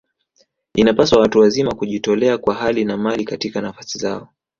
Inapaswa watu wazima kujitolea kwa hali na mali katika nafasi zao